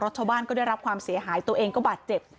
ชาวบ้านก็ได้รับความเสียหายตัวเองก็บาดเจ็บ